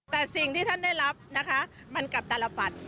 แต่สิ่งที่ฉันได้รับนะคะมันกับตลอดภัณฑ์